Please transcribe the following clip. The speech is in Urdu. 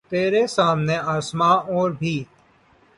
ترے سامنے آسماں اور بھی